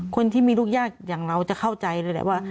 คนที่มีลูกยากอย่างเราจะเข้าใจเลยแหละว่า